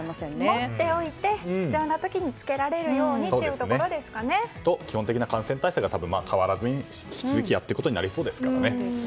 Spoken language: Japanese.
持っておいて、必要な時に着けられるように基本的な感染対策は変わらずに引き続きやっていくことになりそうですからね。